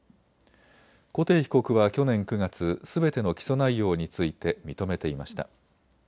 コテー被告は去年９月すべての起訴内容について認めていました。